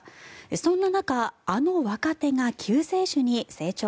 そんな中、あの若手が救世主に成長。